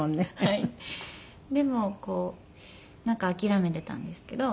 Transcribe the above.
でもこうなんか諦めていたんですけど。